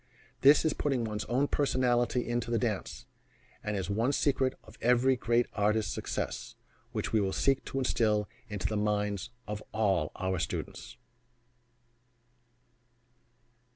This is putting one's own personality into the dance, and is one secret of every great artist's success, which we seek to instill into the minds of all our students.